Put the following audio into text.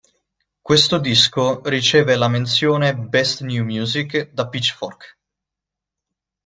Questo disco riceve la menzione "Best New Music" da Pitchfork.